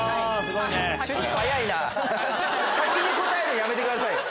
先に答えるのやめてくださいよ。